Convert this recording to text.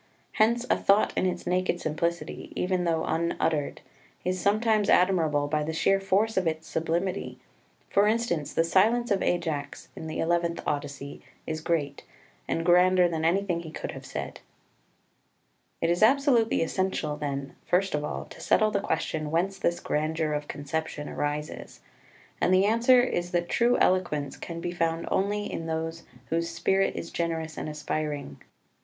Hence a thought in its naked simplicity, even though unuttered, is sometimes admirable by the sheer force of its sublimity; for instance, the silence of Ajax in the eleventh Odyssey is great, and grander than anything he could have said. [Footnote 1: Od. xi. 543.] 3 It is absolutely essential, then, first of all to settle the question whence this grandeur of conception arises; and the answer is that true eloquence can be found only in those whose spirit is generous and aspiring.